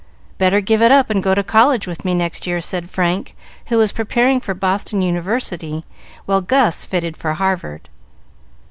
"Better give it up and go to college with me next year," said Frank, who was preparing for Boston University, while Gus fitted for Harvard.